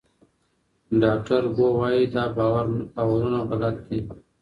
ډاکټر ګو وايي دا باورونه غلط دي.